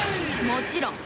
もちろん。